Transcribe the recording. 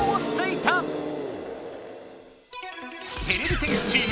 てれび戦士チーム